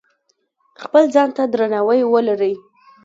خپل ځان ته درناوی ولرئ.